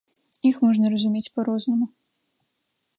Іх можна разумець па-рознаму.